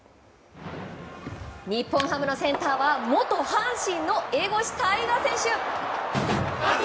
日本ハムのセンターは元阪神、江越大賀選手。